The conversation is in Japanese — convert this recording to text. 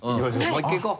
もう１回いこう。